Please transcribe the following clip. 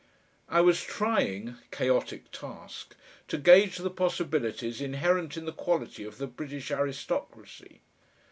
I was trying chaotic task to gauge the possibilities inherent in the quality of the British aristocracy.